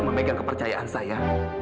memegang kepercayaan saya